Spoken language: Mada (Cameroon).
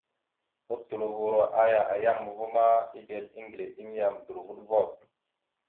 Otlovo aya a yam va ma, eɗel eŋgleɗeŋ yam dorvoɗvoɗ.